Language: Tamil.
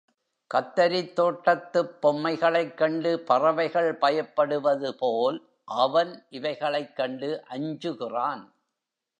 கத்தரித் தோட்டத்துப் பொம்மைகளைக் கண்டு பறவைகள் பயப்படுவதுபோல், அவன் இவைகளைக் கண்டு அஞ்சுகிறான்.